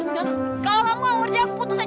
kalau lo mau kerja putus aja